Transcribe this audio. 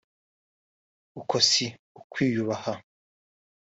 Uko si ukwiyubaha